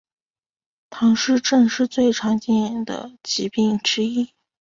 唐氏症是最常见的疾病之一。